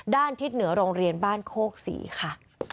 ทิศเหนือโรงเรียนบ้านโคกศรีค่ะ